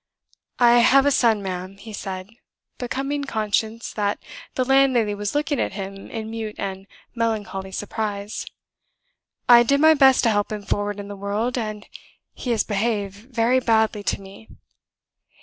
"I have a son, ma'am," he said, becoming conscious that the landlady was looking at him in mute and melancholy surprise. "I did my best to help him forward in the world, and he has behaved very badly to me."